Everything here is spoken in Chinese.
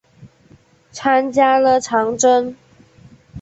参加了长征。